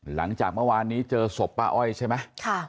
หลังจากเมื่อวานนี้เจอศพป้าอ้อยใช่ไหม